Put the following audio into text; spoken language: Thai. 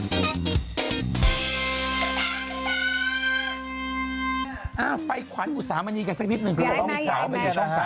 ไปขวัญอุตสามอันนี้กันสักทีนึง